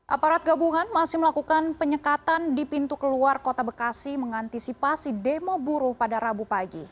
aparat gabungan masih melakukan penyekatan di pintu keluar kota bekasi mengantisipasi demo buruh pada rabu pagi